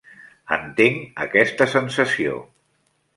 Entenc aquesta sensació.